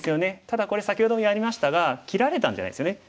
ただこれ先ほどもやりましたが切られたんじゃないんですよね。